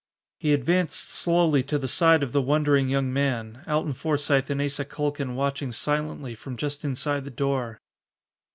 He advanced slowly to the side of the wondering young man, Alton Forsythe and Asa Culkin watching silently from just inside the door.